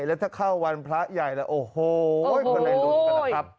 แล้วถ้าเข้าวันพระใหญ่โอ้โฮคนไหนรุนกันนะครับ